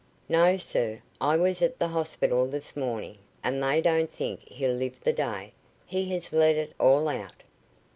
"No, sir. I was at the hospital this morning, and they don't think he'll live the day. He has let it all out."